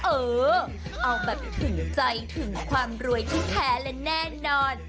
เออเอาแบบถึงใจถึงความรวยที่แท้และแน่นอน